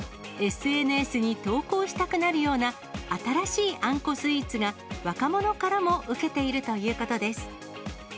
ＳＮＳに投稿したくなるような、新しいあんこスイーツが、若者からも受けているということです。